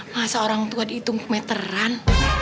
masa orang tua dihitung meteran